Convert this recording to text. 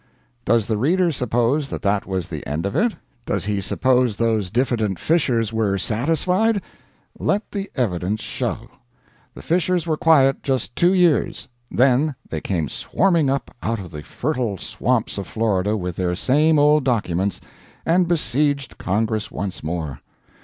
Does the reader suppose that that was the end of it? Does he suppose those diffident Fishers were satisfied? Let the evidence show. The Fishers were quiet just two years. Then they came swarming up out of the fertile swamps of Florida with their same old documents, and besieged Congress once more.